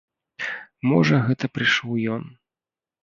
Можа, гэта прыйшоў ён.